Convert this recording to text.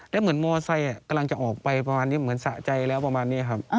แล้วเหมือนมอไซค์กำลังจะออกไปประมาณนี้เหมือนสะใจแล้วประมาณนี้ครับ